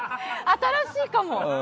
新しいかも！